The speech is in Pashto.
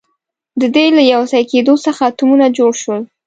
د دې له یوځای کېدو څخه اتمونه جوړ شول.